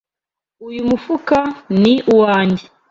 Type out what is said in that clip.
Uyu mufuka ni uwanjye.